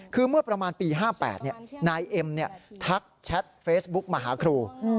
คือเมื่อประมาณปี๕๘นายเอ็มทักแชทเฟซบุ๊กมาหาครู